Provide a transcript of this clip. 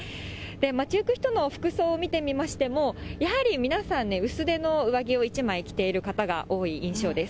街行く人の服装見てみましても、やはり皆さんね、薄手の上着を一枚着ている方が多い印象です。